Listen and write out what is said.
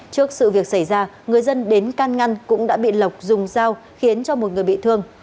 trước sự việc xảy ra người dân đến can ngăn cũng đã bị lộc dùng dao khiến cho một người bị thương